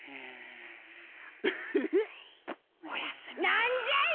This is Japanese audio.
なんじゃい！